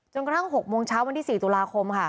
กระทั่ง๖โมงเช้าวันที่๔ตุลาคมค่ะ